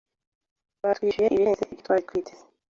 Batwishyuye ibirenze ibyo twari twiteze.